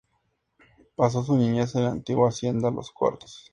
Pasó su niñez en la antigua hacienda Los Cuartos.